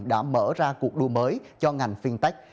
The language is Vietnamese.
đã mở ra cuộc đua mới cho ngành phiên tách